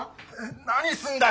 何すんだよ！